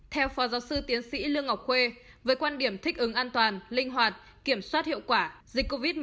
theo phó giáo sư tiến sĩ lương ngọc khuê với quan điểm thích ứng an toàn linh hoạt kiểm soát hiệu quả dịch covid một mươi chín